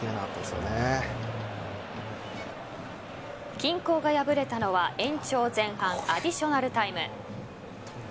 均衡が破れたのは延長前半アディショナルタイム。